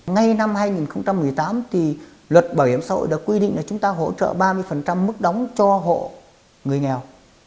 ngay năm hai nghìn một mươi tám thì luật bảo hiểm xã hội đã quy định là chúng ta hỗ trợ ba mươi mức đóng cho hộ người nghèo